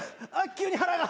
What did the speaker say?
急に腹が。